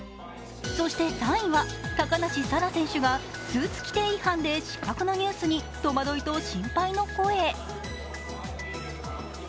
そして３位は高梨沙羅選手がスーツ規定違反で失格のニュース戸惑いと心配の声。